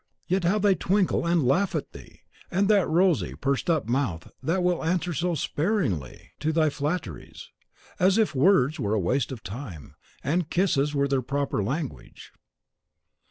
Yet how they twinkle and laugh at thee! And that rosy, pursed up mouth that will answer so sparingly to thy flatteries, as if words were a waste of time, and kisses were their proper language.